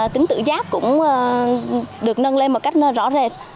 tính tự giác cũng được nâng lên một cách rõ rệt